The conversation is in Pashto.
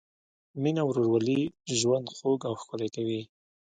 مینه او ورورولي ژوند خوږ او ښکلی کوي.